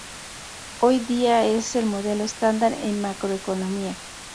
Hoy día es el modelo estándar en macroeconomía.